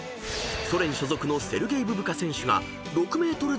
［ソ連所属のセルゲイ・ブブカ選手が］あブブカ！